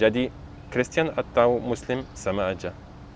jadi kristian atau muslim sama saja